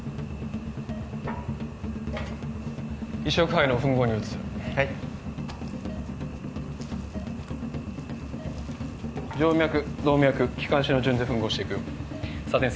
肺のふん合に移る・はい静脈動脈気管支の順でふん合していくよサテン